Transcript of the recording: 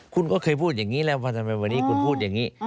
คุณก็เคยพูดอย่างนี้แหละวันนี้คุณพูดอย่างนี้